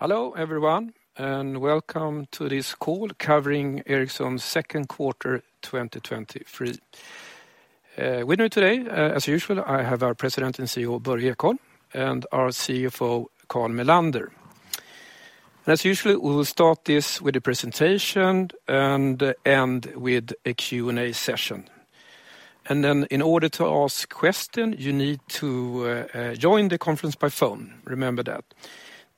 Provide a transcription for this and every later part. Hello everyone, and welcome to this call covering Ericsson's Q2, 2023. With me today, as usual, I have our President and CEO, Börje Ekholm, and our CFO, Carl Mellander. As usually, we will start this with a presentation and end with a Q&A session. In order to ask question, you need to join the conference by phone. Remember that.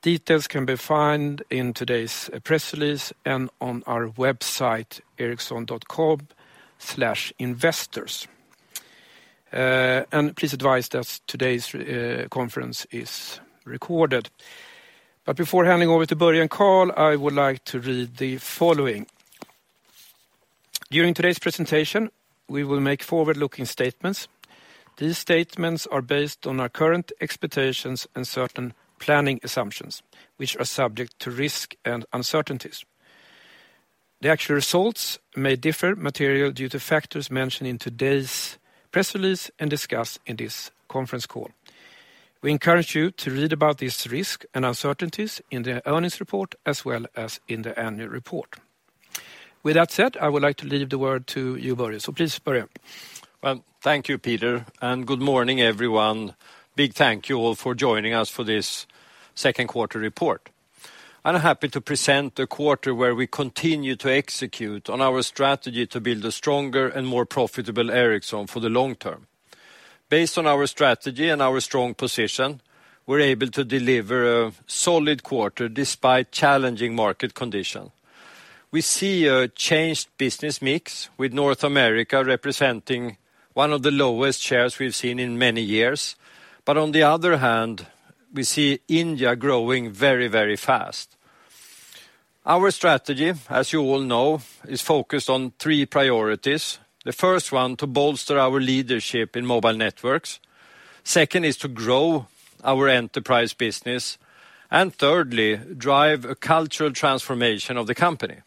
Details can be found in today's press release and on our website, ericsson.com/investors. Please advise that today's conference is recorded. Before handing over to Börje and Carl, I would like to read the following. During today's presentation, we will make forward-looking statements. These statements are based on our current expectations and certain planning assumptions, which are subject to risk and uncertainties. The actual results may differ materially due to factors mentioned in today's press release and discussed in this conference call. We encourage you to read about this risk and uncertainties in the earnings report, as well as in the annual report. With that said, I would like to leave the word to you, Börje. Please, Börje. Well, thank you, Peter, and good morning, everyone. Big thank you all for joining us for this Q2 report. I'm happy to present a quarter where we continue to execute on our strategy to build a stronger and more profitable Ericsson for the long term. Based on our strategy and our strong position, we're able to deliver a solid quarter despite challenging market condition. We see a changed business mix, with North America representing one of the lowest shares we've seen in many years. On the other hand, we see India growing very, very fast. Our strategy, as you all know, is focused on three priorities. The first one, to bolster our leadership in mobile networks. Second, is to grow our enterprise business, and thirdly, drive a cultural transformation of the company.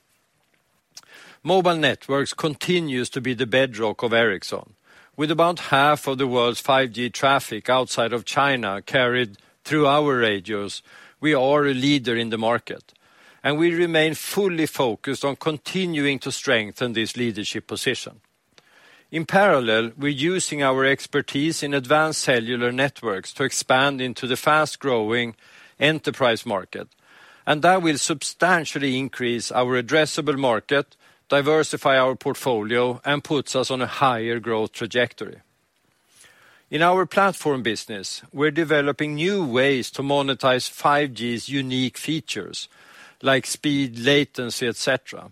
Mobile networks continues to be the bedrock of Ericsson, with about half of the world's 5G traffic outside of China carried through our radios. We are a leader in the market, and we remain fully focused on continuing to strengthen this leadership position. In parallel, we're using our expertise in advanced cellular networks to expand into the fast-growing enterprise market. That will substantially increase our addressable market, diversify our portfolio, and puts us on a higher growth trajectory. In our platform business, we're developing new ways to monetize 5G's unique features like speed, latency, et cetera.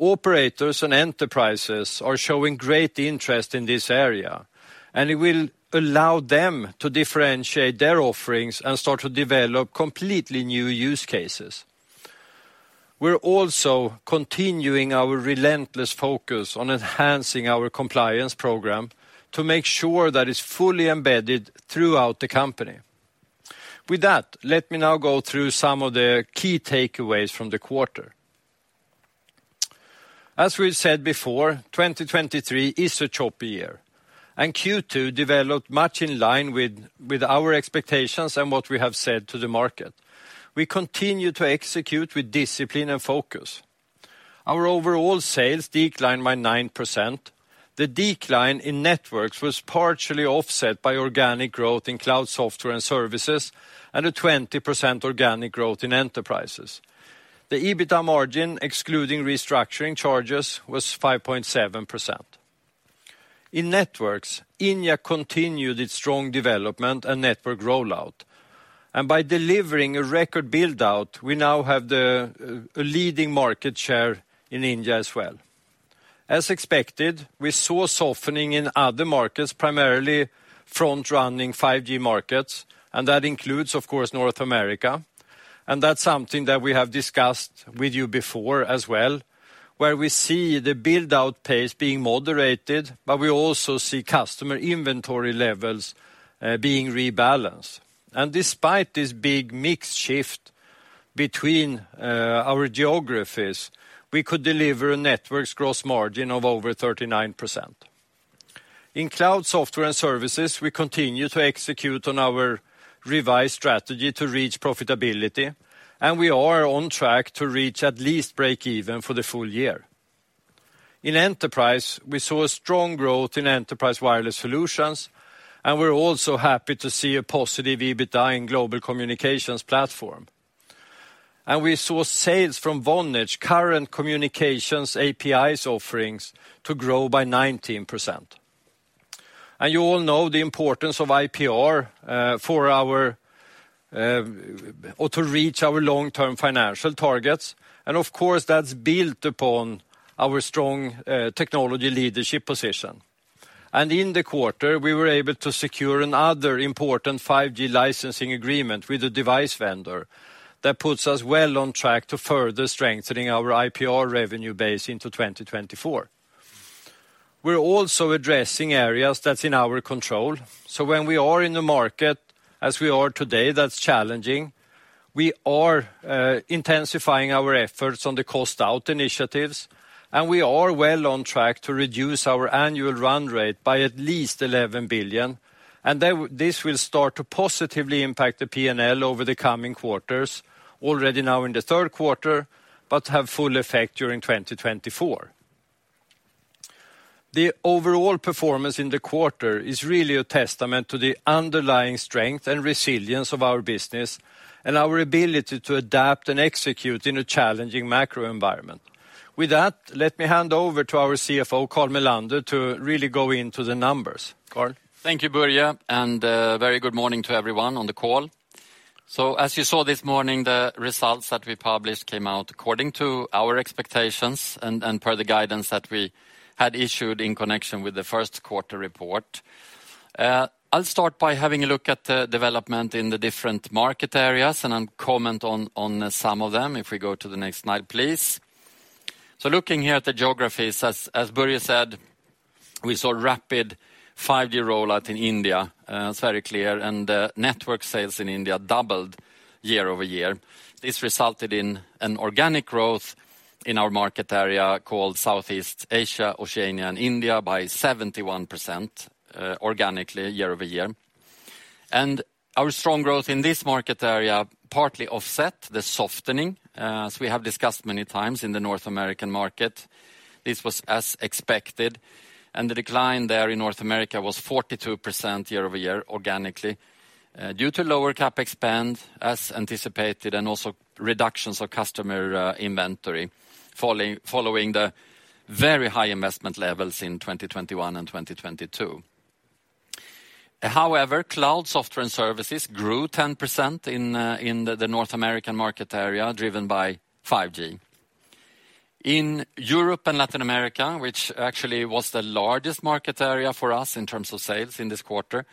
Operators and enterprises are showing great interest in this area. It will allow them to differentiate their offerings and start to develop completely new use cases. We're also continuing our relentless focus on enhancing our compliance program to make sure that it's fully embedded throughout the company. With that, let me now go through some of the key takeaways from the quarter. As we said before, 2023 is a choppy year, and Q2 developed much in line with our expectations and what we have said to the market. We continue to execute with discipline and focus. Our overall sales declined by 9%. The decline in Networks was partially offset by organic growth in Cloud Software and Services, and a 20% organic growth in Enterprises. The EBITDA margin, excluding restructuring charges, was 5.7%. In Networks, India continued its strong development and network rollout, and by delivering a record build-out, we now have a leading market share in India as well. As expected, we saw a softening in other markets, primarily front-running 5G markets, and that includes, of course, North America. That's something that we have discussed with you before as well, where we see the build-out pace being moderated, but we also see customer inventory levels being rebalanced. Despite this big mix shift between our geographies, we could deliver a Networks gross margin of over 39%. In Cloud Software and Services, we continue to execute on our revised strategy to reach profitability, and we are on track to reach at least break even for the full year. In Enterprise, we saw a strong growth in Enterprise Wireless Solutions, and we're also happy to see a positive EBITDA in Global Communications Platform. We saw sales from Vonage, current Communications APIs offerings, to grow by 19%. You all know the importance of IPR for our or to reach our long-term financial targets, and of course, that's built upon our strong technology leadership position. In the quarter, we were able to secure another important 5G licensing agreement with a device vendor. That puts us well on track to further strengthening our IPR revenue base into 2024. We're also addressing areas that's in our control. When we are in the market, as we are today, that's challenging, we are intensifying our efforts on the cost out initiatives, and we are well on track to reduce our annual run rate by at least 11 billion, and then this will start to positively impact the P&L over the coming quarters, already now in the Q3, but have full effect during 2024. The overall performance in the quarter is really a testament to the underlying strength and resilience of our business, and our ability to adapt and execute in a challenging macro environment. With that, let me hand over to our CFO, Carl Mellander, to really go into the numbers. Carl? Thank you, Börje. Very good morning to everyone on the call. As you saw this morning, the results that we published came out according to our expectations and per the guidance that we had issued in connection with the Q1 report. I'll start by having a look at the development in the different market areas. I'll comment on some of them. If we go to the next slide, please. Looking here at the geographies, as Börje said, we saw rapid 5G rollout in India. It's very clear, and network sales in India doubled year-over-year. This resulted in an organic growth in our market area, called Southeast Asia, Oceania and India, by 71% organically year-over-year. Our strong growth in this market area partly offset the softening, as we have discussed many times, in the North American market. This was as expected, the decline there in North America was 42% year-over-year, organically. Due to lower CapEx spend, as anticipated, and also reductions of customer inventory, following the very high investment levels in 2021 and 2022. However, Cloud Software and Services grew 10% in the North American market area, driven by 5G. In Europe and Latin America, which actually was the largest market area for us in terms of sales in this quarter,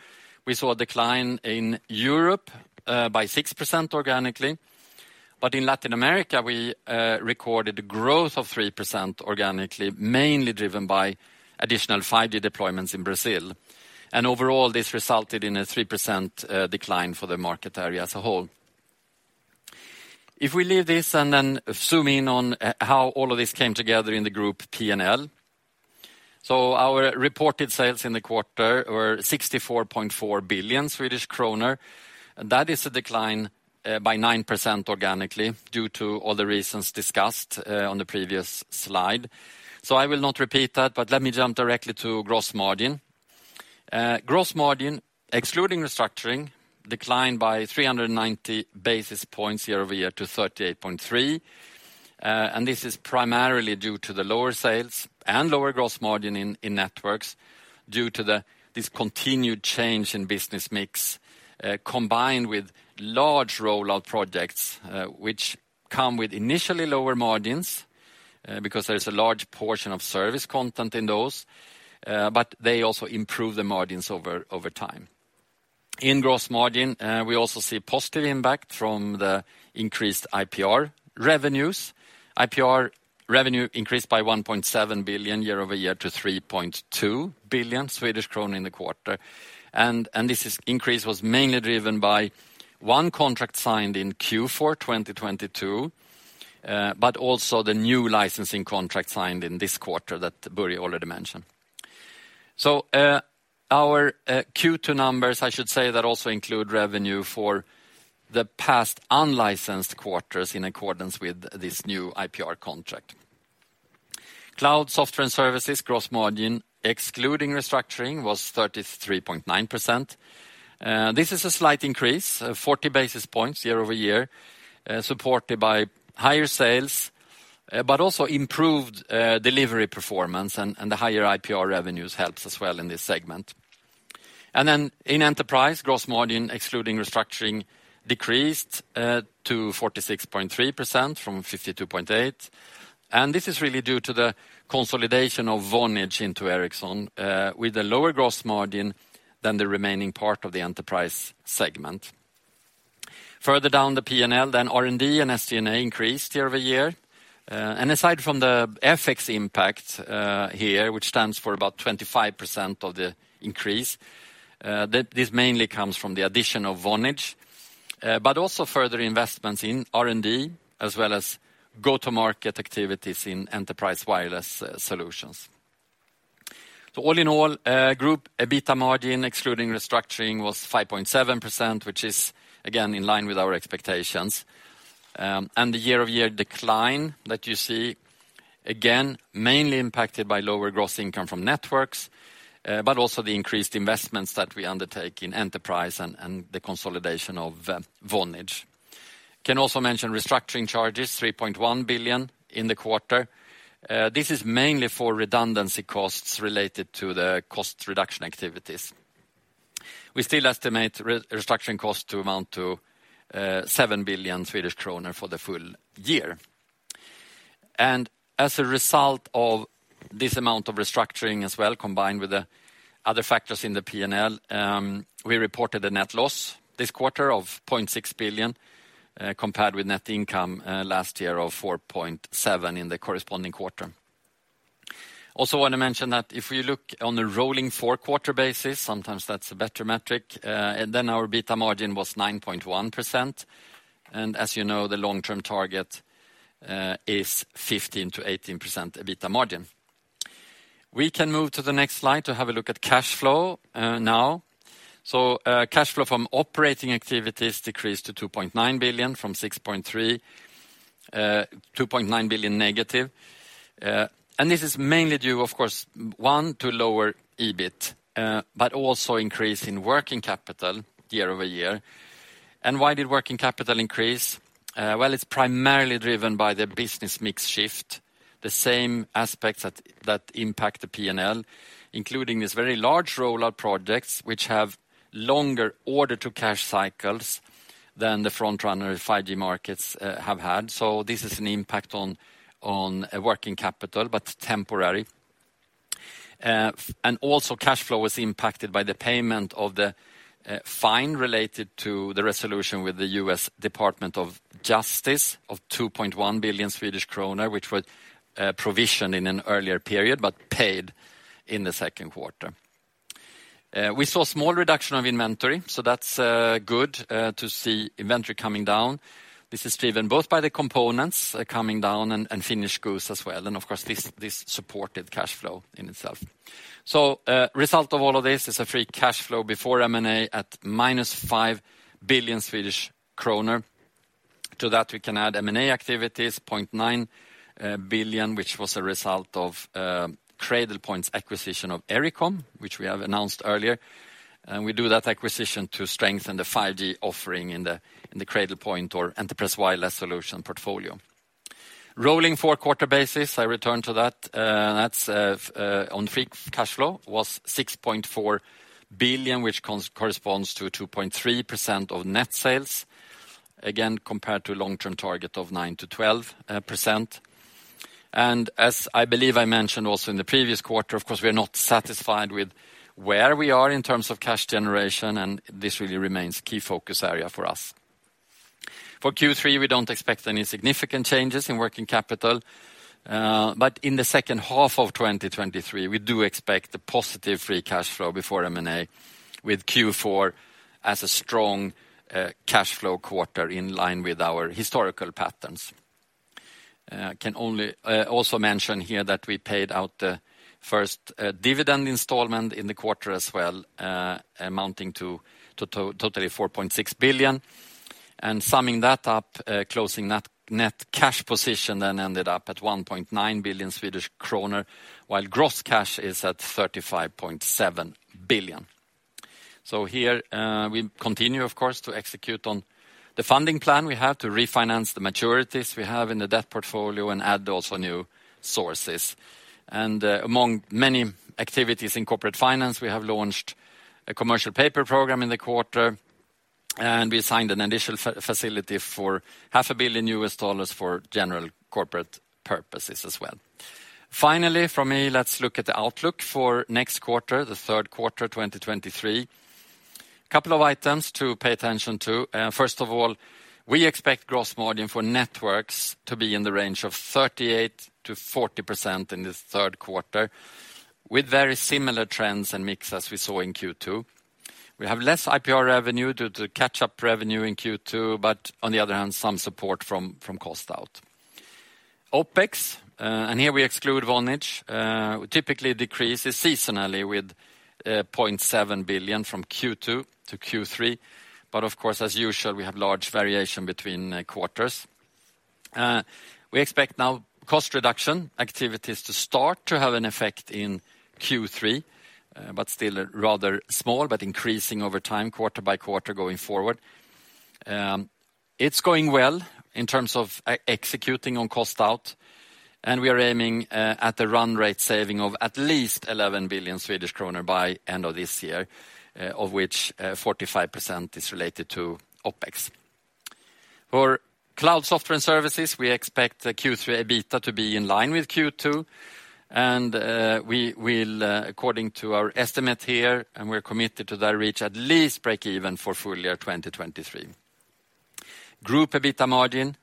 we saw a decline in Europe by 6% organically. In Latin America, we recorded a growth of 3% organically, mainly driven by additional 5G deployments in Brazil. Overall, this resulted in a 3% decline for the market area as a whole. If we leave this and then zoom in on how all of this came together in the group P&L. Our reported sales in the quarter were 64.4 billion Swedish kronor, and that is a decline by 9% organically, due to all the reasons discussed on the previous slide. I will not repeat that, but let me jump directly to gross margin. Gross margin, excluding restructuring, declined by 390 basis points year-over-year to 38.3%. This is primarily due to the lower sales and lower gross margin in Networks due to the... this continued change in business mix, combined with large rollout projects, which come with initially lower margins, because there is a large portion of service content in those, but they also improve the margins over time. In gross margin, we also see positive impact from the increased IPR revenues. IPR revenue increased by 1.7 billion year-over-year to 3.2 billion Swedish krona in the quarter. This increase was mainly driven by one contract signed in Q4 2022, but also the new licensing contract signed in this quarter that Börje already mentioned. Our Q2 numbers, I should say, that also include revenue for the past unlicensed quarters in accordance with this new IPR contract. Cloud Software and Services gross margin, excluding restructuring, was 33.9%. This is a slight increase, 40 basis points year-over-year, supported by higher sales, but also improved delivery performance, and the higher IPR revenues helps as well in this segment. In enterprise, gross margin, excluding restructuring, decreased to 46.3% from 52.8%, and this is really due to the consolidation of Vonage into Ericsson with a lower gross margin than the remaining part of the enterprise segment. Further down the P&L, R&D and SG&A increased year-over-year. Aside from the FX impact here, which stands for about 25% of the increase, this mainly comes from the addition of Vonage, but also further investments in R&D, as well as go-to-market activities in Enterprise Wireless Solutions. All in all, group EBITDA margin, excluding restructuring, was 5.7%, which is, again, in line with our expectations. The year-over-year decline that you see, again, mainly impacted by lower gross income from networks, also the increased investments that we undertake in enterprise and the consolidation of Vonage. Can also mention restructuring charges, 3.1 billion in the quarter. This is mainly for redundancy costs related to the cost reduction activities. We still estimate restructuring costs to amount to 7 billion Swedish kronor for the full year. As a result of this amount of restructuring as well, combined with the other factors in the P&L, we reported a net loss this quarter of 0.6 billion, compared with net income last year of 4.7 in the corresponding quarter. Want to mention that if you look on a rolling 4-quarter basis, sometimes that's a better metric, then our EBITDA margin was 9.1%, as you know, the long-term target is 15%-18% EBITDA margin. We can move to the next slide to have a look at cash flow now. Cash flow from operating activities decreased to 2.9 billion from 6.3 billion, 2.9 billion negative. This is mainly due, of course, one, to lower EBIT, but also increase in working capital year-over-year. Why did working capital increase? Well, it's primarily driven by the business mix shift, the same aspects that impact the P&L, including this very large rollout projects, which have longer order-to-cash cycles than the front runner 5G markets have had. This is an impact on a working capital, but temporary. Also cash flow was impacted by the payment of the fine related to the resolution with the U.S. Department of Justice of 2.1 billion Swedish kronor, which was provisioned in an earlier period, but paid in the Q2. We saw small reduction of inventory, so that's good to see inventory coming down. This is driven both by the components coming down and finished goods as well, and of course, this supported cash flow in itself. Result of all of this is a free cash flow before M&A at minus 5 billion Swedish kronor. To that, we can add M&A activities, 0.9 billion, which was a result of Cradlepoint's acquisition of Ericom, which we have announced earlier. We do that acquisition to strengthen the 5G offering in the Cradlepoint or Enterprise Wireless Solutions portfolio. Rolling four quarter basis, I return to that's on free cash flow, was 6.4 billion, which corresponds to a 2.3% of net sales, again, compared to a long-term target of 9%-12%. As I believe I mentioned also in the previous quarter, of course, we are not satisfied with where we are in terms of cash generation, and this really remains key focus area for us. For Q3, we don't expect any significant changes in working capital, but in the second half of 2023, we do expect a positive free cash flow before M&A, with Q4 as a strong cash flow quarter in line with our historical patterns. can only also mention here that we paid out the first dividend installment in the quarter as well, amounting to totally 4.6 billion. Summing that up, closing that net cash position then ended up at 1.9 billion Swedish kronor, while gross cash is at 35.7 billion. Here, we continue, of course, to execute on the funding plan. We have to refinance the maturities we have in the debt portfolio and add also new sources. Among many activities in corporate finance, we have launched a commercial paper program in the quarter, and we signed an additional facility for half a billion US dollars for general corporate purposes as well. Finally, from me, let's look at the outlook for next quarter, the Q3, 2023. Couple of items to pay attention to. First of all, we expect gross margin for networks to be in the range of 38%-40% in this Q3, with very similar trends and mix as we saw in Q2. We have less IPR revenue due to the catch-up revenue in Q2. On the other hand, some support from cost out. OPEX, here we exclude Vonage, typically decreases seasonally with 0.7 billion from Q2-Q3. Of course, as usual, we have large variation between quarters. We expect now cost reduction activities to start to have an effect in Q3, but still rather small, but increasing over time, quarter by quarter, going forward. It's going well in terms of executing on cost out, and we are aiming at the run rate saving of at least 11 billion Swedish kronor by end of this year, of which 45% is related to OPEX. For Cloud Software and Services, we expect the Q3 EBITDA to be in line with Q2, and we will, according to our estimate here, and we're committed to that, reach at least break even for full year 2023. Group EBITDA margin,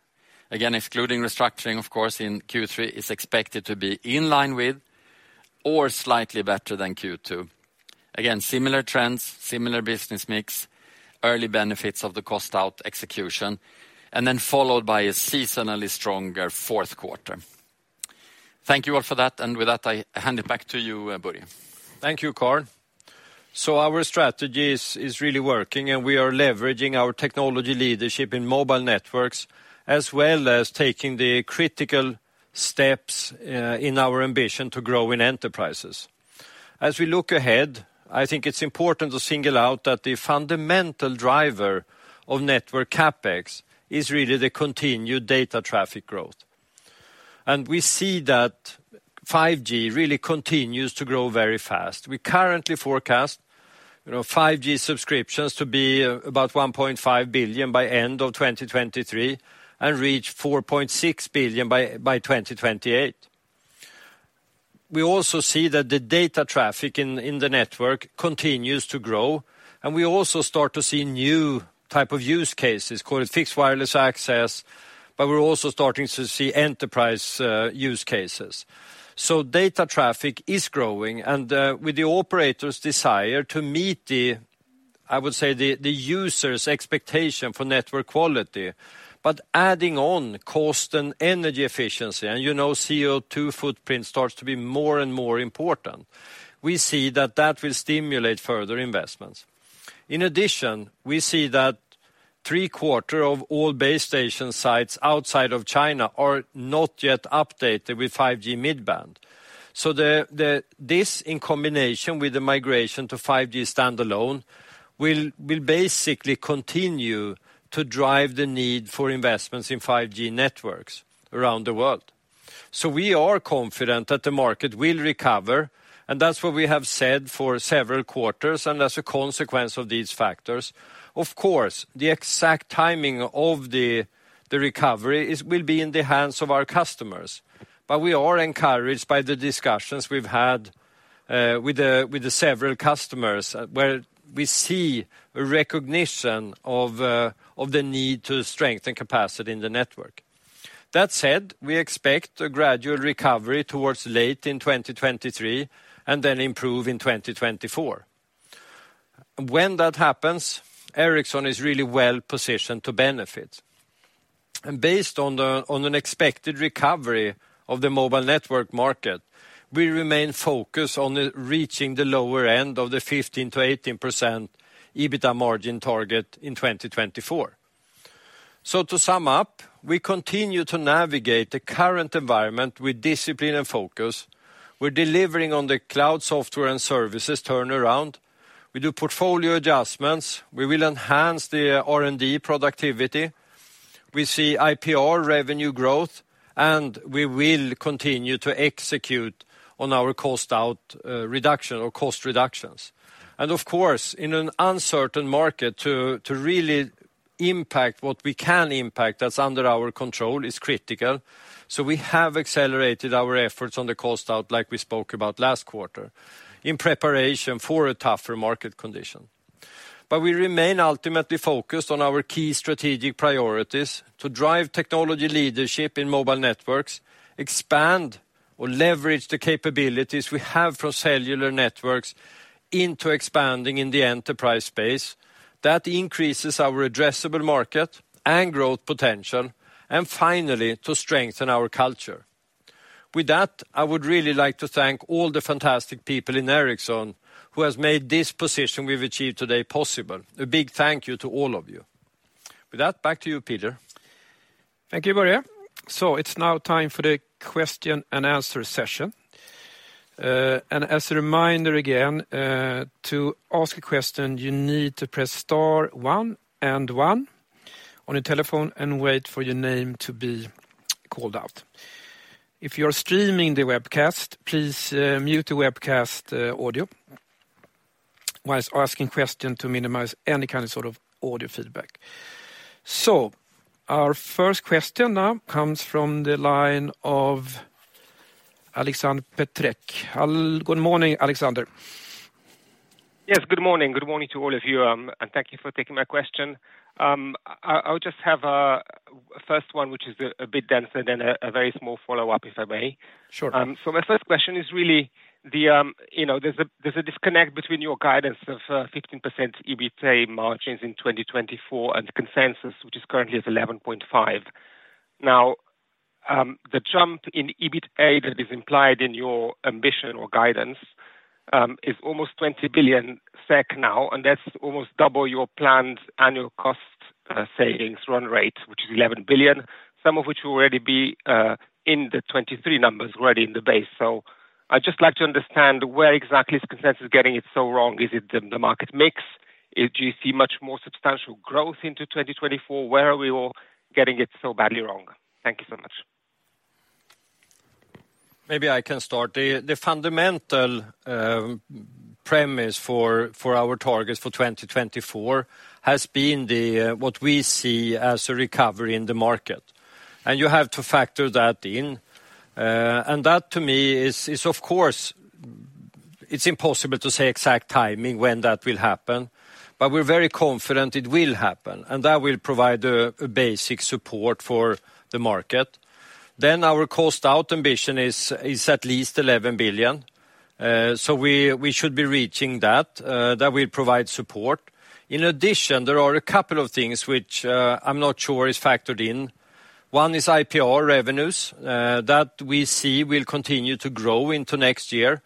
again, excluding restructuring, of course, in Q3, is expected to be in line with or slightly better than Q2. Again, similar trends, similar business mix, early benefits of the cost out execution, and then followed by a seasonally stronger Q4. Thank you all for that, and with that, I hand it back to you, Börje. Thank you, Carl. Our strategy is really working, and we are leveraging our technology leadership in mobile networks, as well as taking the critical steps in our ambition to grow in enterprises. As we look ahead, I think it's important to single out that the fundamental driver of network CapEx is really the continued data traffic growth. We see that 5G really continues to grow very fast. We currently forecast, you know, 5G subscriptions to be about 1.5 billion by end of 2023 and reach 4.6 billion by 2028. We also see that the data traffic in the network continues to grow, and we also start to see new type of use cases, call it fixed wireless access, but we're also starting to see enterprise use cases. Data traffic is growing, and with the operators' desire to meet the, I would say, the user's expectation for network quality, but adding on cost and energy efficiency, and you know, CO2 footprint starts to be more and more important. We see that that will stimulate further investments. In addition, we see that 3 quarter of all base station sites outside of China are not yet updated with 5G mid-band. The, this, in combination with the migration to 5G standalone, will basically continue to drive the need for investments in 5G networks around the world. We are confident that the market will recover, and that's what we have said for several quarters, and as a consequence of these factors. Of course, the exact timing of the recovery will be in the hands of our customers. We are encouraged by the discussions we've had with the several customers, where we see a recognition of the need to strengthen capacity in the network. That said, we expect a gradual recovery towards late in 2023, and then improve in 2024. When that happens, Ericsson is really well positioned to benefit. Based on the, on an expected recovery of the mobile network market, we remain focused on reaching the lower end of the 15%-18% EBITDA margin target in 2024. To sum up, we continue to navigate the current environment with discipline and focus. We're delivering on the Cloud Software and Services turnaround. We do portfolio adjustments. We will enhance the R&D productivity. We see IPR revenue growth, and we will continue to execute on our cost reductions. Of course, in an uncertain market, to really impact what we can impact that's under our control is critical. We have accelerated our efforts on the cost out, like we spoke about last quarter, in preparation for a tougher market condition. We remain ultimately focused on our key strategic priorities to drive technology leadership in mobile networks, expand or leverage the capabilities we have from cellular networks into expanding in the enterprise space. That increases our addressable market and growth potential. Finally, to strengthen our culture. With that, I would really like to thank all the fantastic people in Ericsson who has made this position we've achieved today possible. A big thank you to all of you. With that, back to you, Peter. Thank you, Börje. It's now time for the question and answer session. As a reminder, again, to ask a question, you need to press star 1 and 1 on your telephone and wait for your name to be called out. If you're streaming the webcast, please, mute the webcast, audio whilst asking question, to minimize any kind of sort of audio feedback. Our first question now comes from the line of Aleksander Peterc. Good morning, Alexander. Yes, good morning. Good morning to all of you, and thank you for taking my question. I would just have a first one, which is a bit denser, then a very small follow-up, if I may? Sure. My first question is really, you know, there's a disconnect between your guidance of 15% EBITA margins in 2024 and the consensus, which is currently at 11.5%. The jump in EBITA that is implied in your ambition or guidance is almost 20 billion SEK now, and that's almost double your planned annual cost savings run rate, which is 11 billion, some of which will already be in the 2023 numbers, already in the base. I'd just like to understand where exactly is consensus getting it so wrong? Is it the market mix? Do you see much more substantial growth into 2024? Where are we all getting it so badly wrong? Thank you so much. Maybe I can start. The, the fundamental premise for our targets for 2024 has been the, what we see as a recovery in the market, and you have to factor that in. That, to me, is of course. It's impossible to say exact timing, when that will happen, but we're very confident it will happen, and that will provide a basic support for the market. Our cost out ambition is at least 11 billion. We, we should be reaching that. That will provide support. In addition, there are a couple of things which, I'm not sure is factored in. One is IPR revenues. That we see will continue to grow into next year.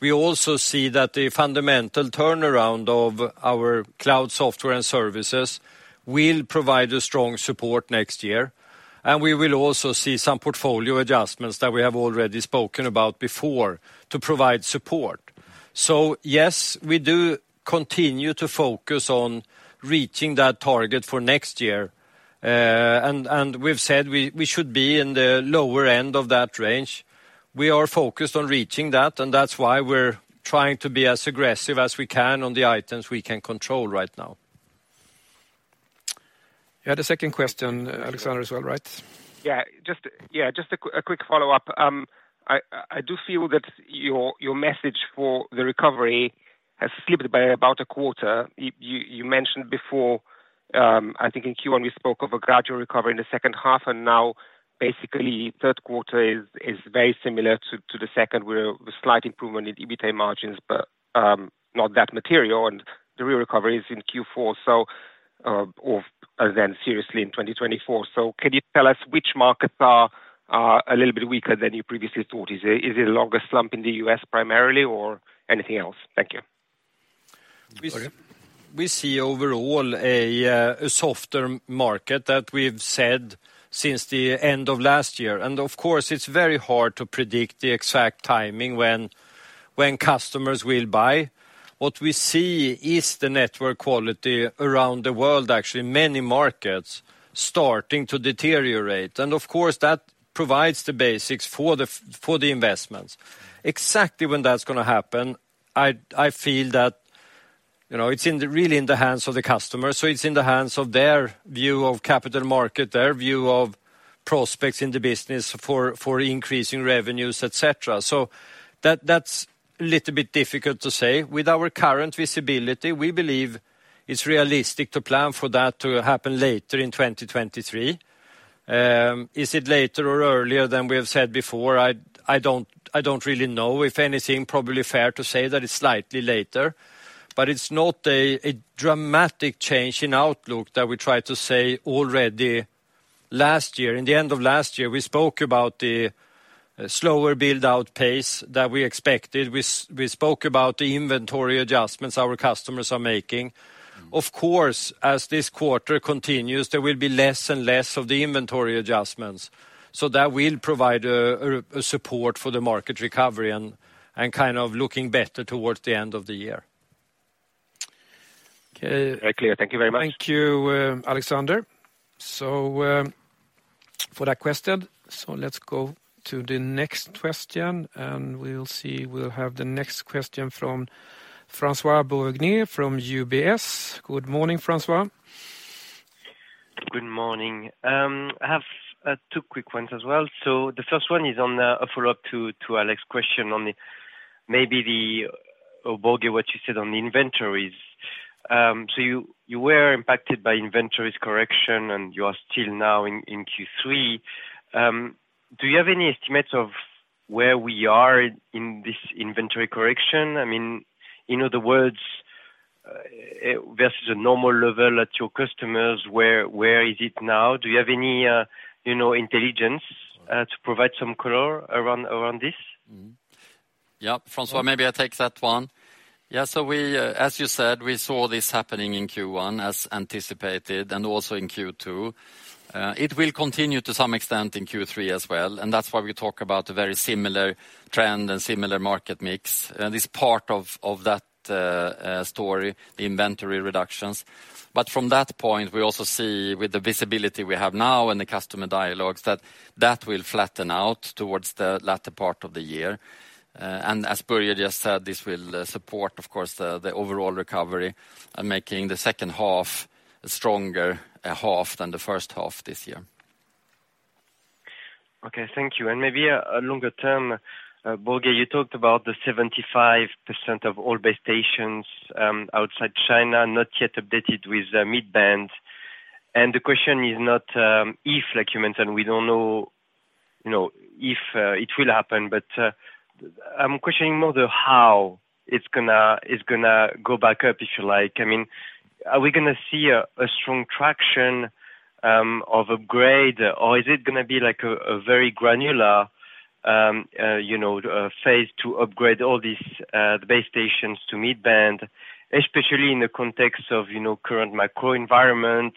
We also see that the fundamental turnaround of our Cloud Software and Services will provide a strong support next year, and we will also see some portfolio adjustments that we have already spoken about before to provide support. Yes, we do continue to focus on reaching that target for next year. We've said we should be in the lower end of that range. We are focused on reaching that, and that's why we're trying to be as aggressive as we can on the items we can control right now. You had a second question, Aleksander, as well, right? Just a quick follow-up. I do feel that your message for the recovery has slipped by about a quarter. You mentioned before, I think in Q1, you spoke of a gradual recovery in the second half, and now basically Q3 is very similar to the second, with a slight improvement in EBITA margins, but not that material, and the real recovery is in Q4, seriously in 2024. Can you tell us which markets are a little bit weaker than you previously thought? Is it a longer slump in the US primarily or anything else? Thank you. We- Börje? We see overall a softer market that we've said since the end of last year. Of course, it's very hard to predict the exact timing when customers will buy. What we see is the network quality around the world, actually, many markets starting to deteriorate. Of course, that provides the basics for the investments. Exactly when that's gonna happen, I feel that, you know, it's really in the hands of the customers, so it's in the hands of their view of capital market, their view of prospects in the business for increasing revenues, et cetera. That's a little bit difficult to say. With our current visibility, we believe it's realistic to plan for that to happen later in 2023. Is it later or earlier than we have said before? I don't really know. If anything, probably fair to say that it's slightly later. It's not a dramatic change in outlook that we tried to say already last year. In the end of last year, we spoke about the slower build-out pace that we expected. We spoke about the inventory adjustments our customers are making. Of course, as this quarter continues, there will be less and less of the inventory adjustments. That will provide a, a support for the market recovery and kind of looking better towards the end of the year. Okay. Very clear. Thank you very much. Thank you, Alexander. For that question. Let's go to the next question, and we'll see. We'll have the next question from François Bouvignies from UBS. Good morning, François. Good morning. I have two quick ones as well. The first one is on a follow-up to Alex's question on or Börje, what you said on the inventories. You were impacted by inventories correction, and you are still now in Q3. Do you have any estimates of where we are in this inventory correction? I mean, in other words, versus a normal level at your customers, where is it now? Do you have any, you know, intelligence to provide some color around this? Mm-hmm. François, maybe I take that one. As you said, we saw this happening in Q1 as anticipated, and also in Q2. It will continue to some extent in Q3 as well, and that's why we talk about a very similar trend and similar market mix. This part of that story, the inventory reductions. From that point, we also see, with the visibility we have now and the customer dialogues, that that will flatten out towards the latter part of the year. As Börje just said, this will support, of course, the overall recovery, and making the second half a stronger half than the first half this year. Okay, thank you. Maybe a longer term, Börje, you talked about the 75% of all base stations, outside China, not yet updated with the midband. The question is not, if, like you mentioned, we don't know, you know, if, it will happen, but, I'm questioning more the how it's gonna, it's gonna go back up, if you like. I mean, are we gonna see a strong traction, of upgrade, or is it gonna be like a very granular, you know, phase to upgrade all these, the base stations to midband, especially in the context of, you know, current macro environment,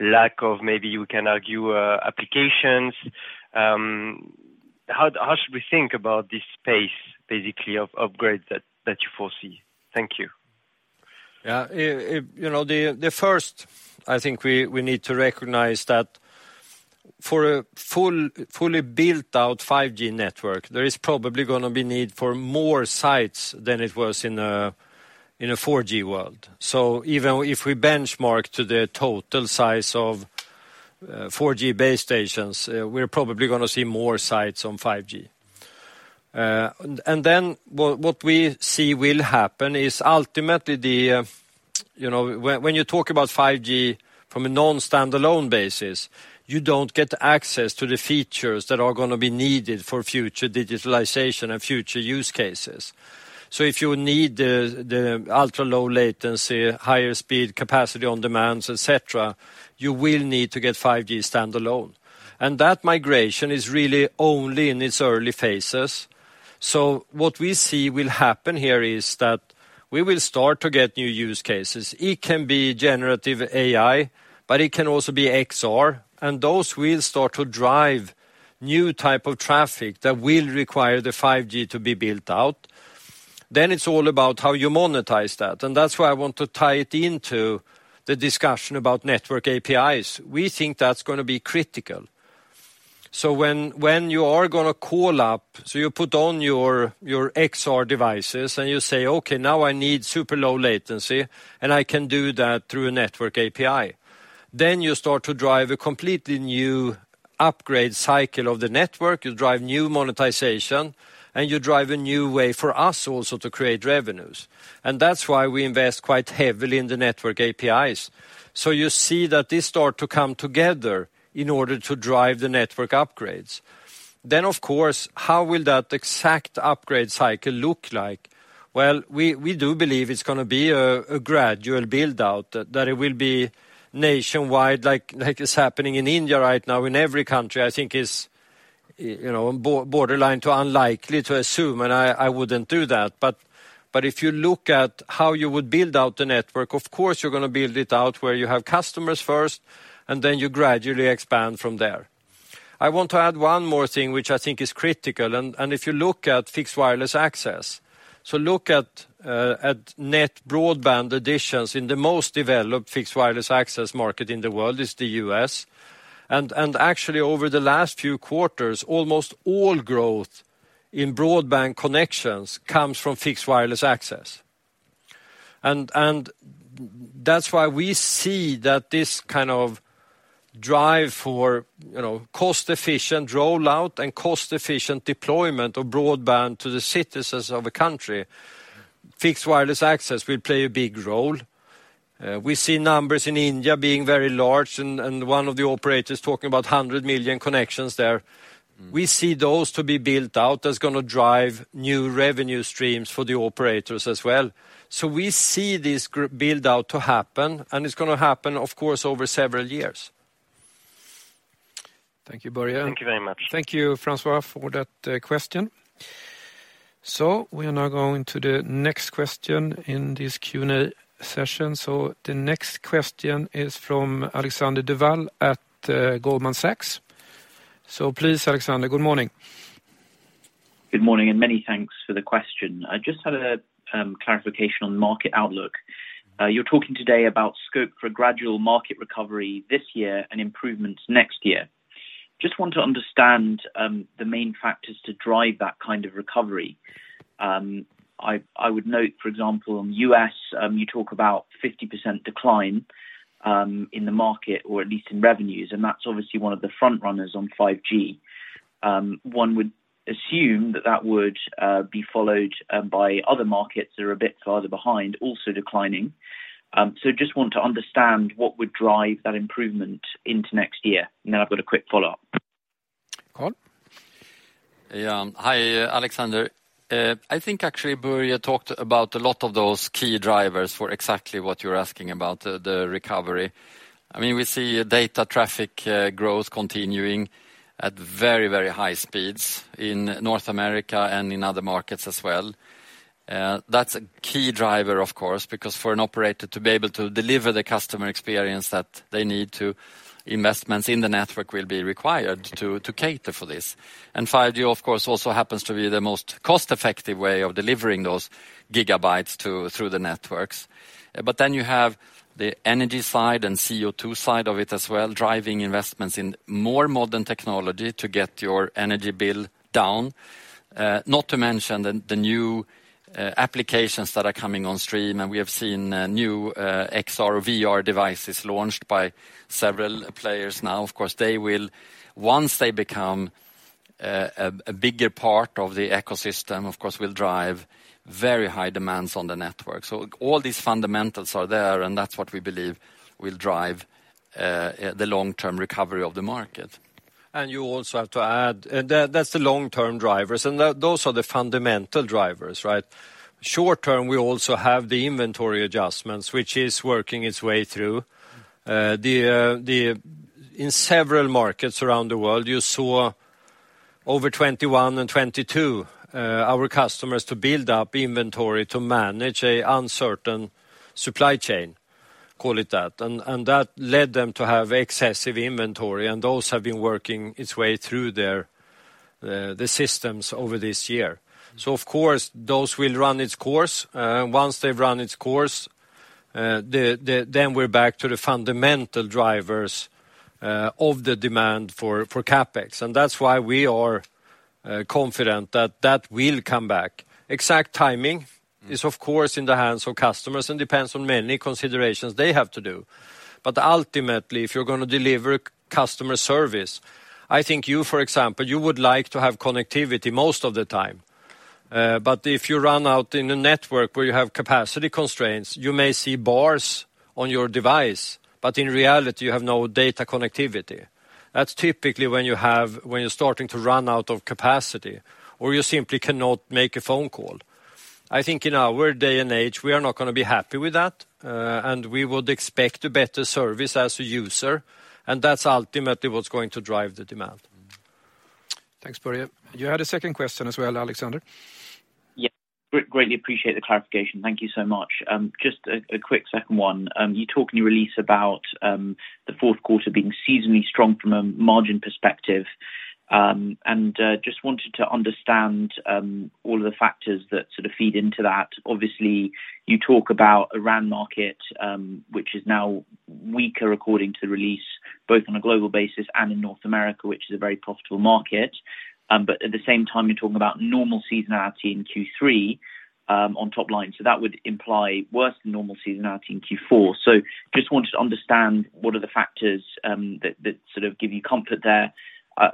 lack of maybe you can argue, applications. How, how should we think about this pace, basically, of upgrade that you foresee? Thank you. Yeah. you know, the first, I think we need to recognize that for a full, fully built out 5G network, there is probably gonna be need for more sites than it was in a 4G world. Even if we benchmark to the total size of 4G base stations, we're probably gonna see more sites on 5G. Then what we see will happen is ultimately the, you know, when you talk about 5G from a Non-standalone basis, you don't get access to the features that are gonna be needed for future digitalization and future use cases. If you need the ultra-low latency, higher speed, capacity on demands, et cetera, you will need to get 5G standalone. That migration is really only in its early phases. What we see will happen here is that we will start to get new use cases. It can be generative AI, but it can also be XR, and those will start to drive new type of traffic that will require the 5G to be built out. It's all about how you monetize that, and that's why I want to tie it into the discussion about network APIs. We think that's gonna be critical. When you are gonna call up, so you put on your XR devices, and you say, "Okay, now I need super low latency, and I can do that through a network API." You start to drive a completely new upgrade cycle of the network, you drive new monetization, and you drive a new way for us also to create revenues. That's why we invest quite heavily in the network APIs. You see that this start to come together in order to drive the network upgrades. Of course, how will that exact upgrade cycle look like? Well, we do believe it's gonna be a gradual build-out, that it will be nationwide, like it's happening in India right now, in every country. I think it's, you know, borderline to unlikely to assume, and I wouldn't do that. If you look at how you would build out the network, of course, you're gonna build it out where you have customers first, and then you gradually expand from there. I want to add one more thing, which I think is critical, and if you look at fixed wireless access. Look at net broadband additions in the most developed fixed wireless access market in the world, is the U.S. Actually, over the last few quarters, almost all growth in broadband connections comes from fixed wireless access. That's why we see that this kind of drive for, you know, cost-efficient rollout and cost-efficient deployment of broadband to the citizens of a country, fixed wireless access will play a big role. We see numbers in India being very large, and one of the operators talking about 100 million connections there. We see those to be built out. That's gonna drive new revenue streams for the operators as well. We see this build-out to happen, and it's gonna happen, of course, over several years. Thank you, Börje. Thank you very much. Thank you, François, for that question. We are now going to the next question in this Q&A session. The next question is from Alexander Duval at Goldman Sachs. Please, Alexander, good morning. Good morning, many thanks for the question. I just had a clarification on market outlook. You're talking today about scope for gradual market recovery this year and improvements next year. Just want to understand the main factors to drive that kind of recovery. I would note, for example, in U.S., you talk about 50% decline in the market, or at least in revenues, and that's obviously one of the front runners on 5G. One would assume that that would be followed by other markets that are a bit farther behind, also declining. Just want to understand what would drive that improvement into next year. I've got a quick follow-up. Go on. Yeah. Hi, Alexander. I think actually Börje talked about a lot of those key drivers for exactly what you're asking about, the recovery. I mean, we see data traffic growth continuing at very, very high speeds in North America and in other markets as well. That's a key driver, of course, because for an operator to be able to deliver the customer experience that they need to, investments in the network will be required to cater for this. 5G, of course, also happens to be the most cost-effective way of delivering those gigabytes through the networks. You have the energy side and CO2 side of it as well, driving investments in more modern technology to get your energy bill down. Not to mention the new applications that are coming on stream. We have seen new XR, VR devices launched by several players now. Of course, Once they become a bigger part of the ecosystem, of course, will drive very high demands on the network. All these fundamentals are there, and that's what we believe will drive the long-term recovery of the market. You also have to add... that's the long-term drivers, and those are the fundamental drivers, right? Short-term, we also have the inventory adjustments, which is working its way through. In several markets around the world, you saw over 2021 and 2022, our customers to build up inventory to manage an uncertain supply chain, call it that. That led them to have excessive inventory, and those have been working its way through their systems over this year. Of course, those will run its course. Once they've run its course, then we're back to the fundamental drivers of the demand for CapEx, that's why we are confident that that will come back. Exact timing is, of course, in the hands of customers and depends on many considerations they have to do. Ultimately, if you're gonna deliver customer service, I think you, for example, you would like to have connectivity most of the time. But if you run out in a network where you have capacity constraints, you may see bars on your device, but in reality, you have no data connectivity. That's typically when you're starting to run out of capacity or you simply cannot make a phone call. I think in our day and age, we are not gonna be happy with that, and we would expect a better service as a user, and that's ultimately what's going to drive the demand. Thanks, Börje. You had a second question as well, Alexander? Yeah. Greatly appreciate the clarification. Thank you so much. Just a quick second one. You talk in your release about the Q4 being seasonally strong from a margin perspective. Just wanted to understand all of the factors that sort of feed into that. Obviously, you talk about around market, which is now weaker, according to the release, both on a global basis and in North America, which is a very profitable market. At the same time, you're talking about normal seasonality in Q3 on top line. That would imply worse than normal seasonality in Q4. Just wanted to understand what are the factors that sort of give you comfort there.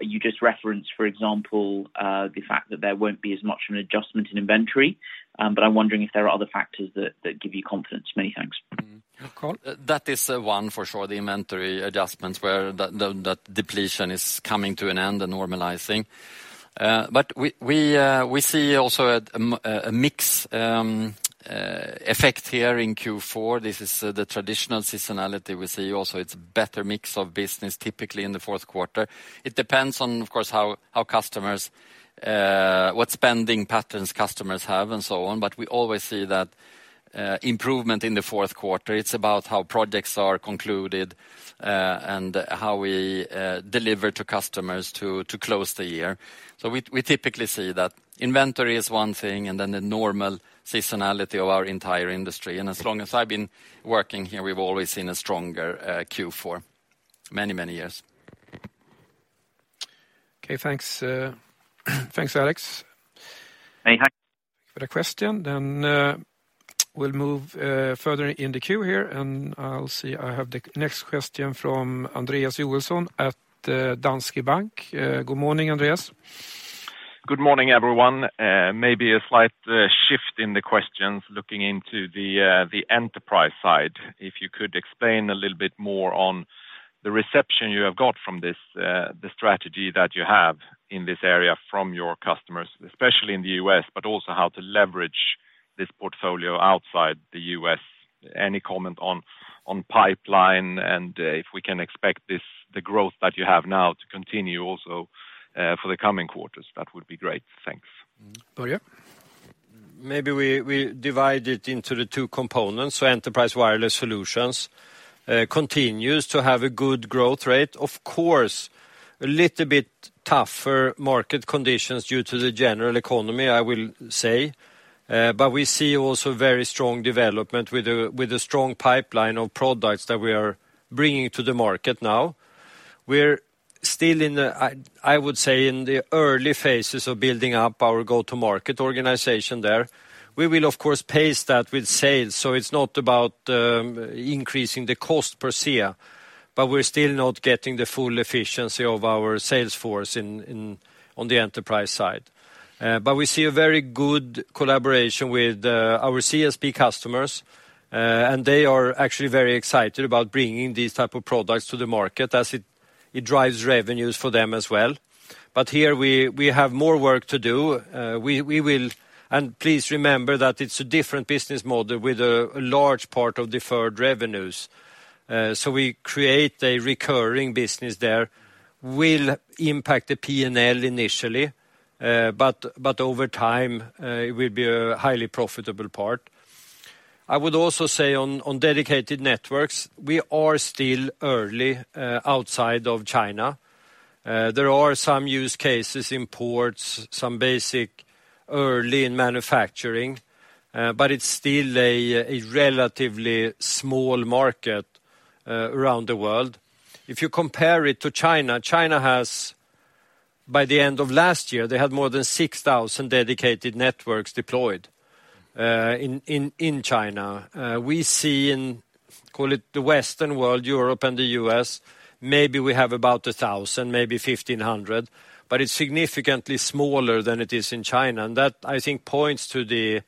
You just referenced, for example, the fact that there won't be as much of an adjustment in inventory. I'm wondering if there are other factors that give you confidence. Many thanks. That is one for sure, the inventory adjustments where that depletion is coming to an end and normalizing. But we see also a mix effect here in Q4. This is the traditional seasonality we see also. It's better mix of business, typically in the Q4. It depends on, of course, how customers, what spending patterns customers have and so on, but we always see that improvement in the Q4. It's about how projects are concluded, and how we deliver to customers to close the year. We typically see that. Inventory is one thing, and then the normal seasonality of our entire industry. As long as I've been working here, we've always seen a stronger Q4, many, many years. Okay, thanks. Thanks, Alex. Many thanks. For the question. We'll move further in the queue here, I'll see. I have the next question from Andreas Joelsson at Danske Bank. Good morning, Andreas. Good morning, everyone. Maybe a slight shift in the questions, looking into the enterprise side. If you could explain a little bit more on the reception you have got from this, the strategy that you have in this area from your customers, especially in the US, but also how to leverage this portfolio outside the US. Any comment on pipeline and if we can expect this, the growth that you have now to continue also for the coming quarters? That would be great. Thanks. Börje? Maybe we divide it into the 2 components. Enterprise Wireless Solutions continues to have a good growth rate. Of course, a little bit tougher market conditions due to the general economy, I will say. But we see also very strong development with a strong pipeline of products that we are bringing to the market now. We're still in the, I would say, in the early phases of building up our go-to-market organization there. We will, of course, pace that with sales, so it's not about increasing the cost per se, but we're still not getting the full efficiency of our sales force in, on the enterprise side. We see a very good collaboration with our CSP customers, they are actually very excited about bringing these type of products to the market, as it drives revenues for them as well. Here we have more work to do. Please remember that it's a different business model with a large part of deferred revenues. We create a recurring business there, will impact the P&L initially, but over time, it will be a highly profitable part. I would also say on dedicated networks, we are still early outside of China. There are some use cases in ports, some basic early in manufacturing, it's still a relatively small market around the world. If you compare it to China has, by the end of last year, they had more than 6,000 dedicated networks deployed in China. We see in, call it the Western world, Europe and the U.S., maybe we have about 1,000, maybe 1,500, but it's significantly smaller than it is in China. That, I think, points to the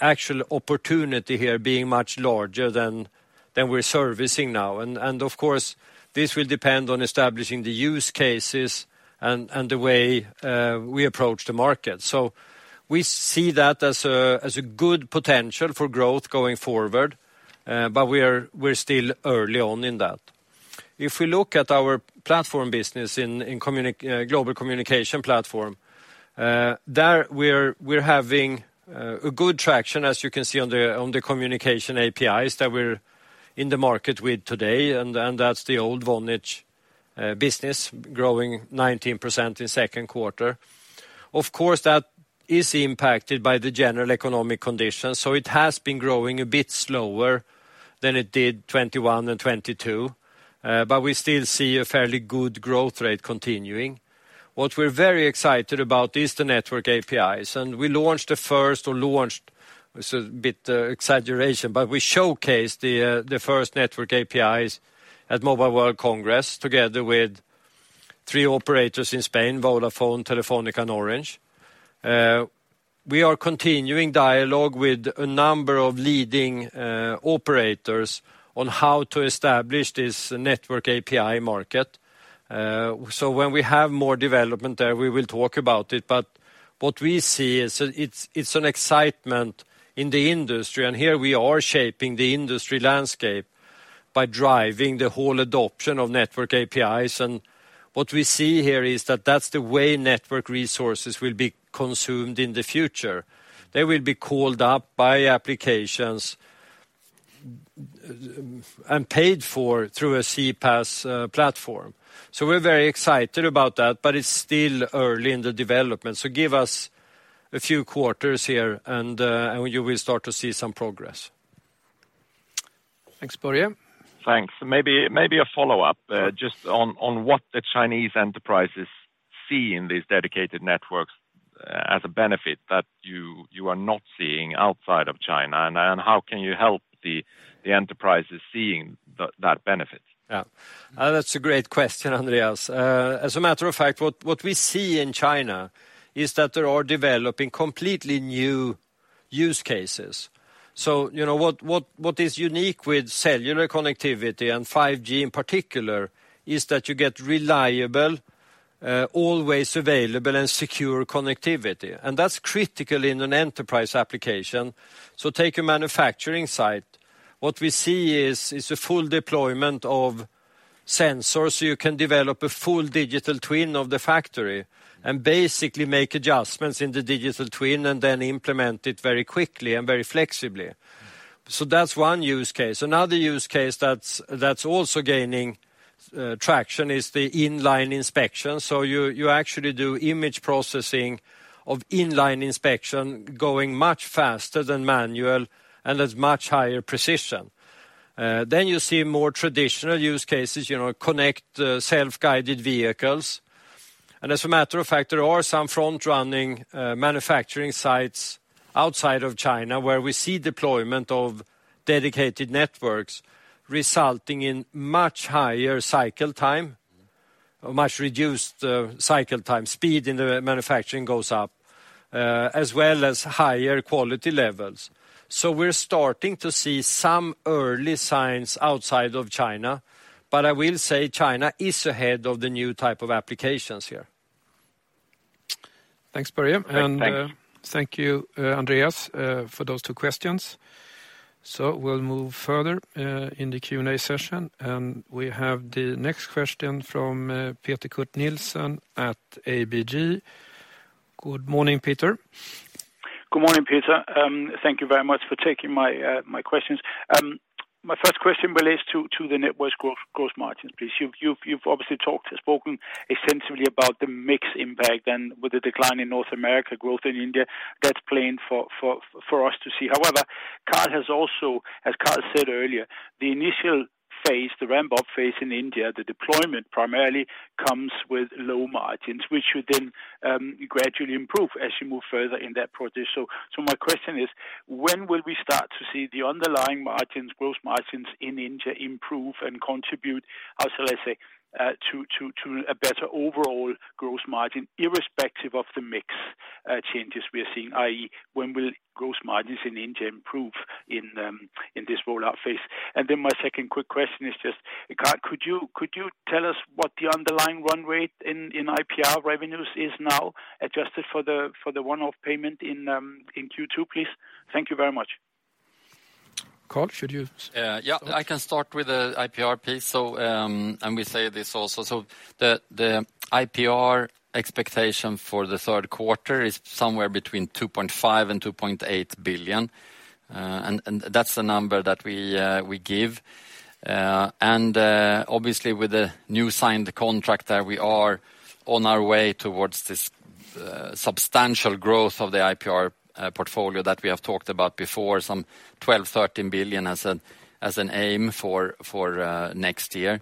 actual opportunity here being much larger than we're servicing now. Of course, this will depend on establishing the use cases and the way we approach the market. We see that as a good potential for growth going forward, but we're still early on in that. If we look at our platform business in Global Communications Platform, there we're having a good traction, as you can see on the Communications APIs that we're in the market with today, and that's the old Vonage business growing 19% in Q2. Of course, that is impacted by the general economic conditions, so it has been growing a bit slower than it did 2021 and 2022. We still see a fairly good growth rate continuing. What we're very excited about is the network APIs, and we launched the first, or launched, it's a bit exaggeration, but we showcased the first network APIs at Mobile World Congress, together with three operators in Spain: Vodafone, Telefónica, and Orange. We are continuing dialogue with a number of leading operators on how to establish this network API market. When we have more development there, we will talk about it, but what we see is it's an excitement in the industry, and here we are shaping the industry landscape by driving the whole adoption of network APIs. What we see here is that that's the way network resources will be consumed in the future. They will be called up by applications, and paid for through a CPaaS platform. We're very excited about that, but it's still early in the development. Give us a few quarters here, and you will start to see some progress. Thanks, Börje. Thanks. Maybe a follow-up, just on what the Chinese enterprises see in these dedicated networks, as a benefit that you are not seeing outside of China, and how can you help the enterprises seeing that benefit? Yeah. That's a great question, Andreas. As a matter of fact, what we see in China is that they are developing completely new use cases. You know, what is unique with cellular connectivity, and 5G in particular, is that you get reliable, always available, and secure connectivity, and that's critical in an enterprise application. Take a manufacturing site. What we see is a full deployment of sensors, so you can develop a full digital twin of the factory and basically make adjustments in the digital twin, and then implement it very quickly and very flexibly. That's one use case. Another use case that's also gaining traction is the in-line inspection. You actually do image processing of in-line inspection going much faster than manual and with much higher precision. You see more traditional use cases, you know, connect self-guided vehicles. As a matter of fact, there are some front-running manufacturing sites outside of China where we see deployment of dedicated networks, resulting in much higher cycle time- Mm-hmm. or much reduced, cycle time. Speed in the manufacturing goes up, as well as higher quality levels. We're starting to see some early signs outside of China, but I will say China is ahead of the new type of applications here. Thanks, Börje. Thanks. Thank you, Andreas, for those two questions. We'll move further in the Q&A session, and we have the next question from Peter Kurt Nielsen at ABG. Good morning, Peter. Good morning, Peter. Thank you very much for taking my questions. My first question relates to the network's growth margins, please. You've obviously spoken extensively about the mix impact, and with the decline in North America, growth in India, that's plain for us to see. As Carl said earlier, the initial phase, the ramp-up phase in India, the deployment primarily comes with low margins, which should then gradually improve as you move further in that process. My question is: When will we start to see the underlying margins, growth margins in India improve and contribute, how shall I say, to a better overall growth margin, irrespective of the mix changes we are seeing? i.e., when will growth margins in India improve in this rollout phase? My second quick question is just, Carl, could you tell us what the underlying run rate in IPR revenues is now, adjusted for the one-off payment in Q2, please? Thank you very much. Carl, should? Yeah, I can start with the IPR piece. And we say this also. The IPR expectation for the Q3 is somewhere between 2.5 billion and 2.8 billion. And that's the number that we give. And obviously, with the new signed contract there, we are on our way towards this substantial growth of the IPR portfolio that we have talked about before, some 12 billion, 13 billion as an aim for next year,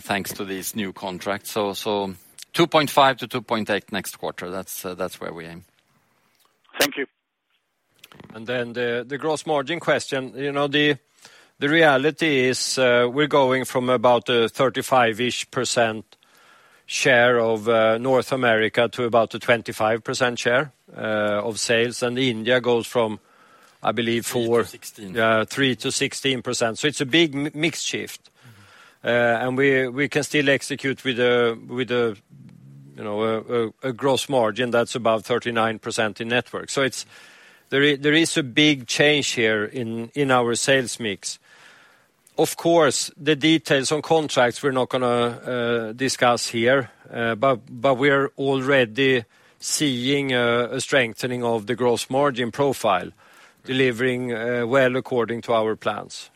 thanks to this new contract. 2.5 billion-2.8 billion next quarter, that's where we aim. Thank you. Then the gross margin question. You know, the reality is, we're going from about a 35-ish% share of North America to about a 25% share of sales. India goes from, I believe, four- 3-16. Yeah, 3%-16%. It's a big mix shift. Mm-hmm. We can still execute with a, you know, a growth margin that's about 39% in network. There is a big change here in our sales mix. Of course, the details on contracts, we're not gonna discuss here. We're already seeing a strengthening of the growth margin profile, delivering well according to our plans.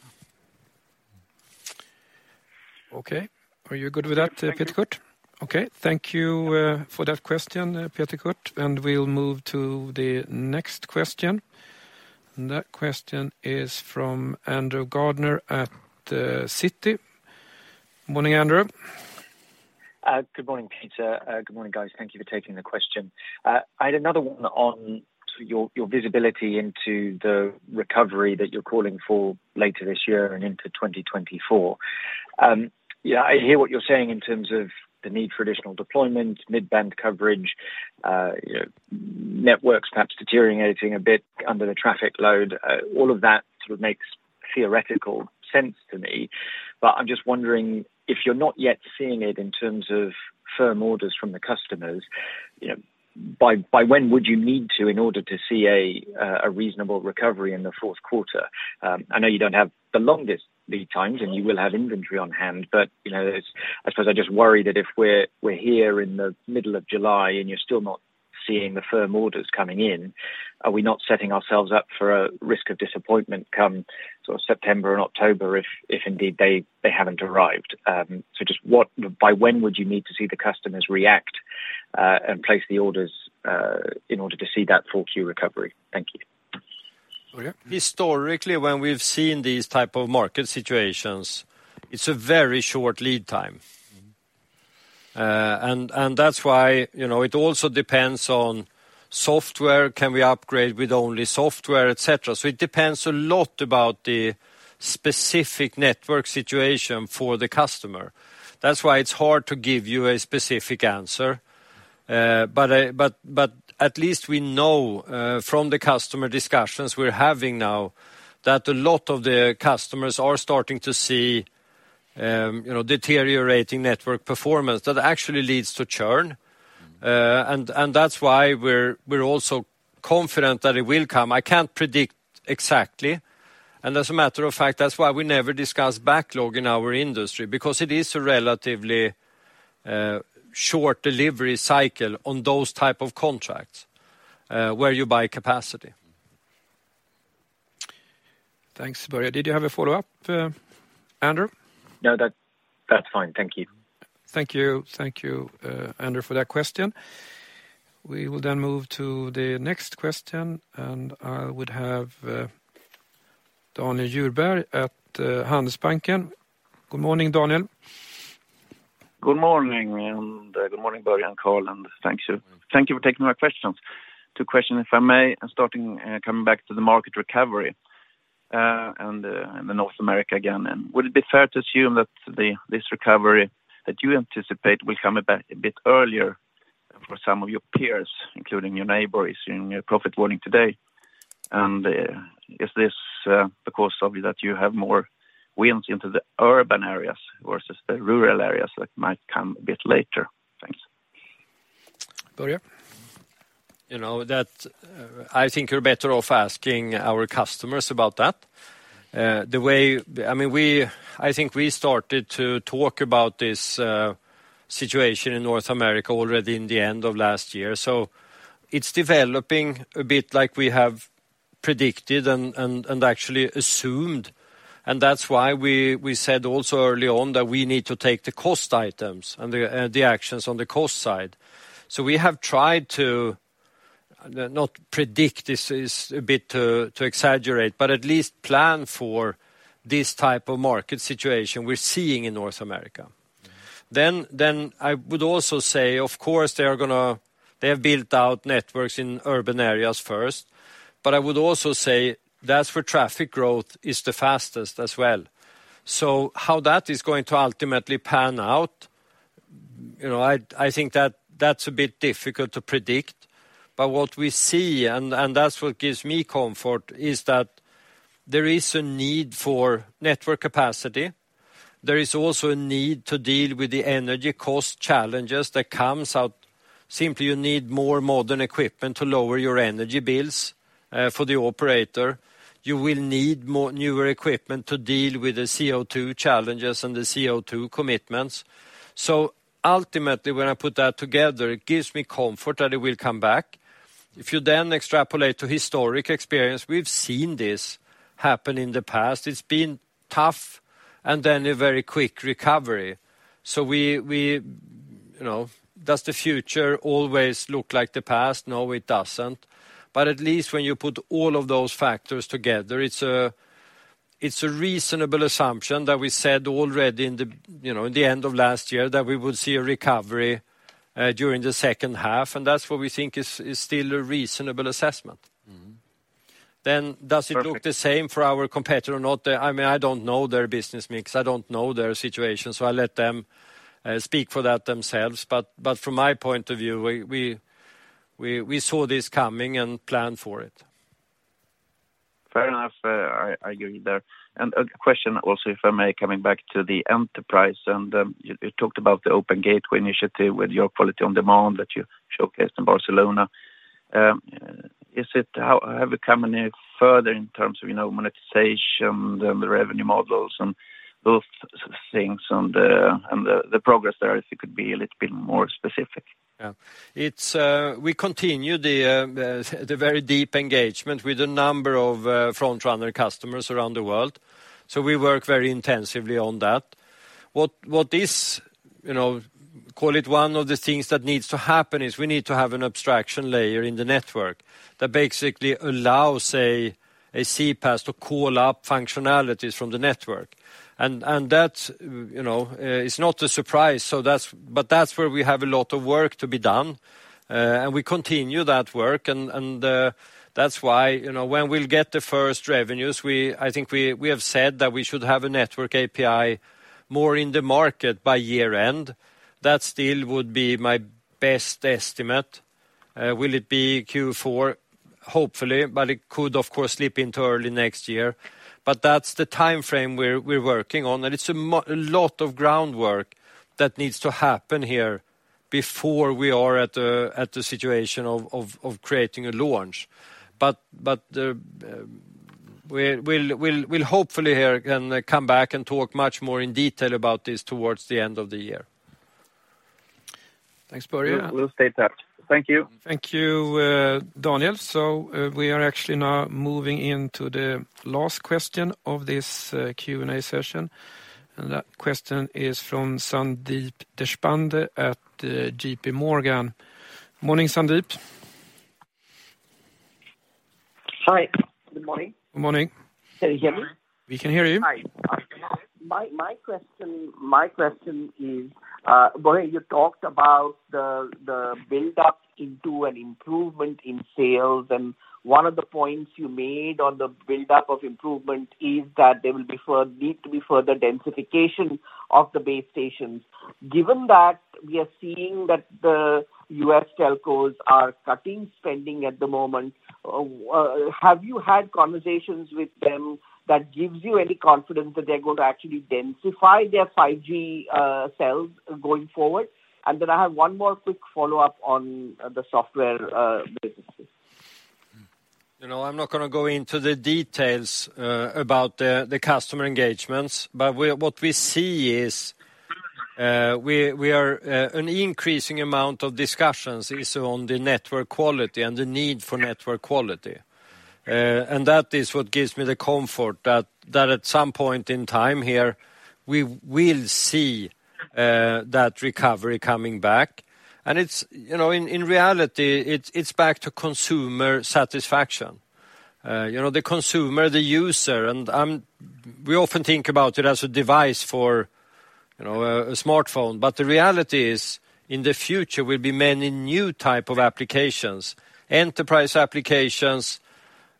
Okay. Are you good with that, Peter Kurt? Thank you. Okay, thank you for that question, Peter Kurt, and we'll move to the next question. That question is from Andrew Gardiner at Citi. Morning, Andrew. Good morning, Peter. Good morning, guys. Thank you for taking the question. I had another one on sort of your visibility into the recovery that you're calling for later this year and into 2024. Yeah, I hear what you're saying in terms of the need for additional deployment, mid-band coverage, you know, networks perhaps deteriorating a bit under the traffic load. All of that sort of makes theoretical sense to me, but I'm just wondering if you're not yet seeing it in terms of firm orders from the customers, you know, by when would you need to in order to see a reasonable recovery in the Q4? I know you don't have the longest lead times, and you will have inventory on hand, but, you know, there's... I suppose I just worry that if we're here in the middle of July and you're still not seeing the firm orders coming in, are we not setting ourselves up for a risk of disappointment come sort of September and October, if indeed they haven't arrived? Just by when would you need to see the customers react and place the orders in order to see that full Q recovery? Thank you. Börje? Historically, when we've seen these type of market situations, it's a very short lead time. Mm-hmm. That's why, you know, it also depends on software. Can we upgrade with only software, et cetera? It depends a lot about the specific network situation for the customer. That's why it's hard to give you a specific answer. At least we know from the customer discussions we're having now, that a lot of the customers are starting to see, you know, deteriorating network performance that actually leads to churn. That's why we're also confident that it will come. I can't predict exactly, and as a matter of fact, that's why we never discuss backlog in our industry, because it is a relatively short delivery cycle on those type of contracts, where you buy capacity. Thanks, Börje. Did you have a follow-up, Andrew? No, that's fine. Thank you. Thank you. Thank you, Andrew, for that question. We will then move to the next question, and I would have Daniel Djurberg at Handelsbanken. Good morning, Daniel. Good morning, good morning, Börje and Carl, and thank you. Thank you for taking my questions. Two question, if I may, starting coming back to the market recovery in North America again, would it be fair to assume that this recovery that you anticipate will come about a bit earlier for some of your peers, including your neighbors, in your profit warning today? Is this because of that you have more wins into the urban areas versus the rural areas that might come a bit later? Thanks. Börje? You know, that, I think you're better off asking our customers about that. I mean, I think we started to talk about this situation in North America already in the end of last year. It's developing a bit like we have predicted and actually assumed, and that's why we said also early on that we need to take the cost items and the actions on the cost side. We have tried to not predict, this is a bit to exaggerate, but at least plan for this type of market situation we're seeing in North America. I would also say, of course, they have built out networks in urban areas first, but I would also say that's where traffic growth is the fastest as well. How that is going to ultimately pan out, you know, I think that that's a bit difficult to predict. What we see, and that's what gives me comfort, is that there is a need for network capacity. There is also a need to deal with the energy cost challenges that comes out. Simply, you need more modern equipment to lower your energy bills, for the operator. You will need more newer equipment to deal with the CO2 challenges and the CO2 commitments. Ultimately, when I put that together, it gives me comfort that it will come back. If you extrapolate to historic experience, we've seen this happen in the past. It's been tough and then a very quick recovery. Does the future always look like the past? No, it doesn't. At least when you put all of those factors together, it's a reasonable assumption that we said already in the, you know, in the end of last year, that we would see a recovery during the second half, and that's what we think is still a reasonable assessment. Mm-hmm. Then, does it- Perfect. Look the same for our competitor or not? I mean, I don't know their business mix. I don't know their situation, so I let them speak for that themselves. From my point of view, we saw this coming and planned for it. Fair enough. I agree there. A question also, if I may, coming back to the enterprise, and, you talked about the Open Gateway initiative with your Quality on Demand that you showcased in Barcelona. How, have you come any further in terms of, you know, monetization, the revenue models, and both things and the progress there, if you could be a little bit more specific? Yeah. It's, we continue the very deep engagement with a number of front runner customers around the world. We work very intensively on that. What is, you know, call it one of the things that needs to happen is we need to have an abstraction layer in the network that basically allows, say, a CPaaS to call up functionalities from the network. That's, you know, it's not a surprise, so but that's where we have a lot of work to be done. We continue that work, and that's why, you know, when we'll get the first revenues, I think we have said that we should have a network API more in the market by year end. That still would be my best estimate. Will it be Q4? Hopefully, it could, of course, slip into early next year. That's the time frame we're working on, and it's a lot of groundwork that needs to happen here before we are at the situation of creating a launch. We'll hopefully here again, come back and talk much more in detail about this towards the end of the year. Thanks, Börje. We'll stay touched. Thank you. Thank you, Daniel. We are actually now moving into the last question of this Q&A session. That question is from Sandeep Deshpande at JPMorgan. Morning, Sandeep. Hi, good morning. Good morning. Can you hear me? We can hear you. Hi. My question is, Börje, you talked about the build-up into an improvement in sales, and one of the points you made on the build-up of improvement is that there will need to be further densification of the base stations. Given that we are seeing that the U.S. telcos are cutting spending at the moment, have you had conversations with them that gives you any confidence that they're going to actually densify their 5G sales going forward? I have one more quick follow-up on the software businesses. You know, I'm not gonna go into the details about the customer engagements, what we see is, we are an increasing amount of discussions is on the network quality and the need for network quality. That is what gives me the comfort that at some point in time here, we will see that recovery coming back. It's, you know, in reality, it's back to consumer satisfaction. You know, the consumer, the user, and we often think about it as a device for, you know, a smartphone. The reality is, in the future will be many new type of applications. Enterprise applications,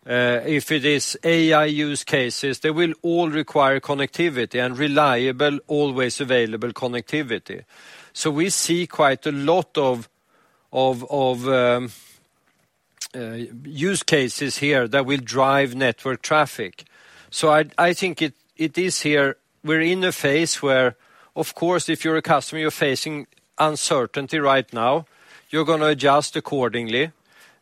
if it is AI use cases, they will all require connectivity and reliable, always available connectivity. we see quite a lot of use cases here that will drive network traffic. I think it is here. We're in a phase where, of course, if you're a customer, you're facing uncertainty right now, you're gonna adjust accordingly.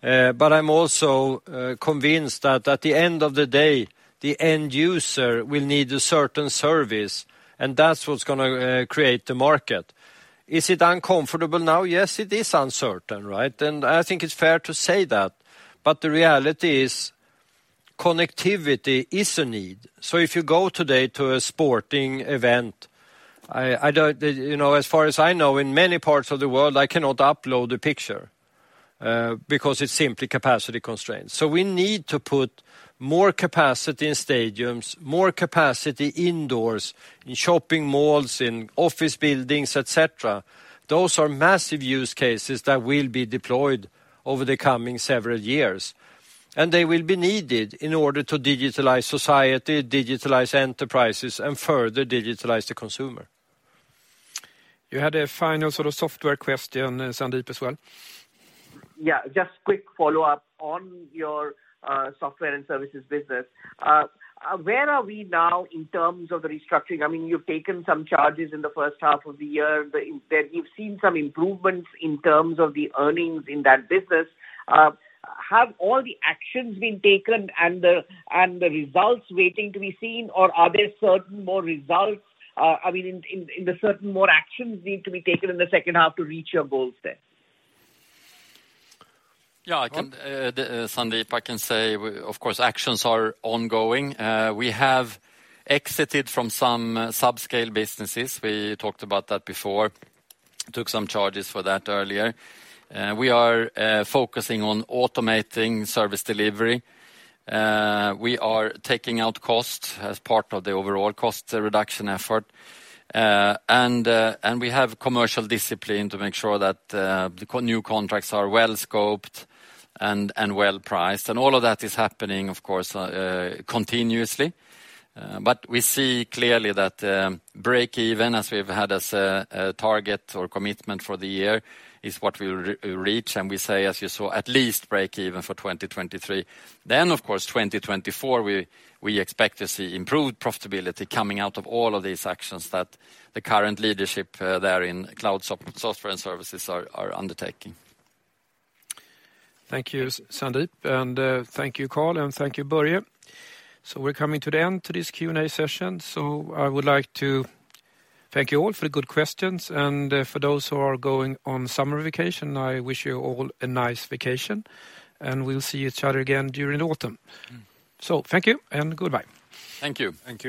but I'm also convinced that at the end of the day, the end user will need a certain service, and that's what's gonna create the market. Is it uncomfortable now? Yes, it is uncertain, right? I think it's fair to say that. the reality is, connectivity is a need. if you go today to a sporting event, I don't, you know, as far as I know, in many parts of the world, I cannot upload a picture because it's simply capacity constraints. We need to put more capacity in stadiums, more capacity indoors, in shopping malls, in office buildings, et cetera. Those are massive use cases that will be deployed over the coming several years, and they will be needed in order to digitalize society, digitalize enterprises, and further digitalize the consumer. You had a final sort of software question, Sandeep, as well? Yeah, just quick follow-up on your Software and Services business. Where are we now in terms of the restructuring? I mean, you've taken some charges in the first half of the year. We've seen some improvements in terms of the earnings in that business. Have all the actions been taken and the results waiting to be seen, or are there certain more results, I mean, in the certain more actions need to be taken in the second half to reach your goals there? Sandeep, I can say, of course, actions are ongoing. We have exited from some subscale businesses. We talked about that before, took some charges for that earlier. We are focusing on automating service delivery. We are taking out costs as part of the overall cost reduction effort. We have commercial discipline to make sure that new contracts are well scoped and well priced. All of that is happening, of course, continuously. We see clearly that break even, as we've had as a target or commitment for the year, is what we'll reach. We say, as you saw, at least break even for 2023. Of course, 2024, we expect to see improved profitability coming out of all of these actions that the current leadership, there in Cloud Software and Services are undertaking. Thank you, Sandeep, and thank you, Carl, and thank you, Börje. We're coming to the end to this Q&A session, I would like to thank you all for the good questions. For those who are going on summer vacation, I wish you all a nice vacation, and we'll see each other again during autumn. Thank you, and goodbye. Thank you. Thank you.